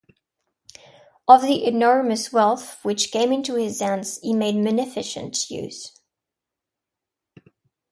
Of the enormous wealth which came into his hands he made munificent use.